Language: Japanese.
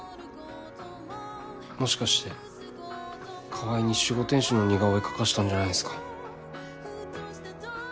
もしかして川合に守護天使の似顔絵描かしたんじゃないんすか？